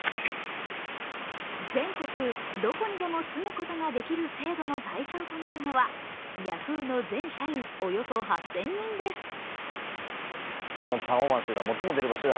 全国どこにでも住むことができる制度の対象となるのはヤフーの全社員、およそ８０００人です